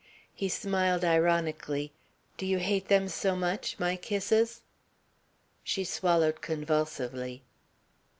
He smiled ironically. "Do you hate them so much, my kisses?" She swallowed convulsively.